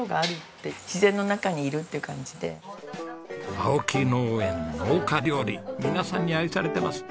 青木農園農家料理皆さんに愛されてます。